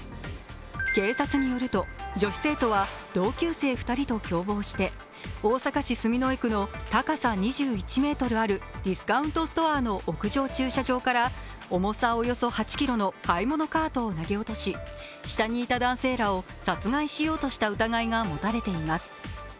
警察によると女子生徒は同級生２人と共謀して大阪市住之江区の高さ２１ｍあるディスカウントストアの屋上駐車場から重さおよそ８ｋｇの買い物カートを投げ落とし、下にいた男性らを殺害しようとした疑いが持たれています。